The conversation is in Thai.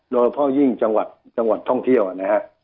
โดยเฉพาะยิ่งจังหวัดท่องเที่ยวนะฮะ